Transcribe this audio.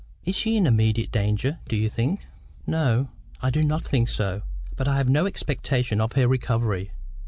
Is she in immediate danger, do you think?" "No. I do not think so. But I have no expectation of her recovery.